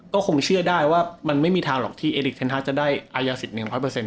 ก็คงเชื่อได้ว่ามันไม่มีทางหรอกที่จะได้อายาศิษฐ์หนึ่งห้อยเปอร์เซ็นต์